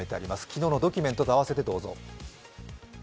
昨日のドキュメントと併せてどうぞ。